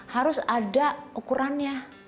harus ada ukurannya